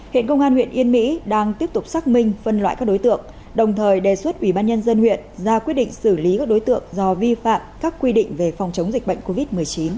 hiện công an huyện yên mỹ đang tiếp tục xác minh phân loại các đối tượng đồng thời đề xuất ủy ban nhân dân huyện ra quyết định xử lý các đối tượng do vi phạm các quy định về phòng chống dịch bệnh covid một mươi chín